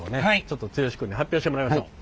ちょっと剛君に発表してもらいましょう。